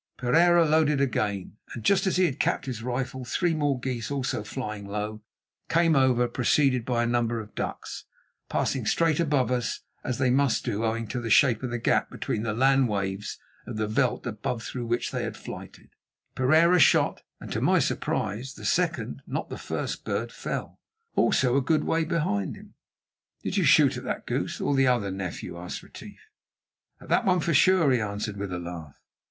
Pereira loaded again, and just as he had capped his rifle three more geese, also flying low, came over, preceded by a number of ducks, passing straight above us, as they must do owing to the shape of the gap between the land waves of the veld above through which they flighted. Pereira shot, and to my surprise, the second, not the first, bird fell, also a good way behind him. "Did you shoot at that goose, or the other, nephew?" asked Retief. "At that one for sure," he answered with a laugh.